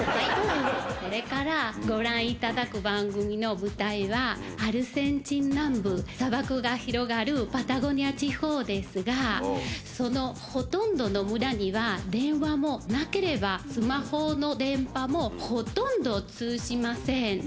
これからご覧いただく番組の舞台は、アルゼンチン南部、砂漠が広がるパタゴニア地方ですが、そのほとんどの村には電話もなければ、スマホの電波もほとんど通じません。